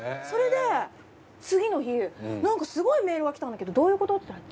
それで次の日なんかすごいメールが来たんだけどどういうこと？って。